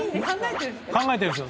考えているんですよ。